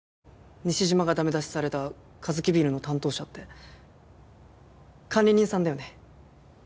西島がダメ出しされたカヅキビールの担当者って管理人さんだよね？